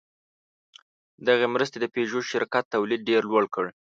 دغې مرستې د پيژو شرکت تولید ډېر لوړ کړ.